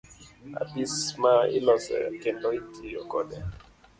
Apis ma ilose kendo itiyo kode.